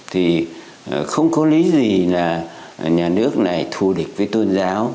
thì không có lý gì là nhà nước này thù địch với tôn giáo